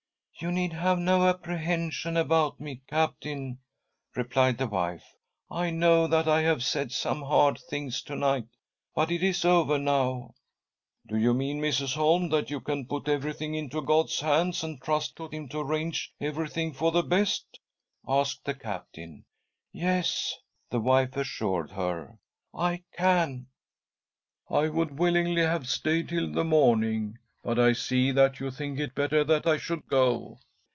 " You need have no apprehension about me, Captain," replied the wife. " I know that I have said some hard things to night, but it is over now." " Do you mean, Mrs. Holm, that you can put everything into God's Hands and trust to Him to arrange everything for the best?" asked the Captain. " Yes," the wife assured her, " I can." " I would willingly have stayed till the morning, but I see that .you think it better that I should go.''